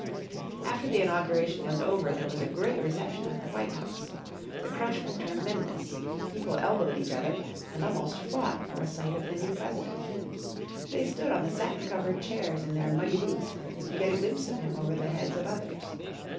After the inauguration was over there was a great reception at the White House. The crush was tremendous. People elbowed each other and almost fought for a sight of the new President. They stood on the satin covered chairs in their muddy boots to get a glimpse of him over the heads of others.